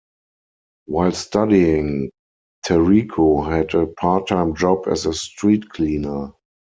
While studying, Tariko had a part-time job as a street cleaner.